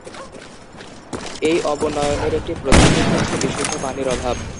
এই অবনয়নের একটি প্রধান দিক হচ্ছে বিশুদ্ধ পানির অভাব।